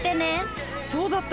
そうだった。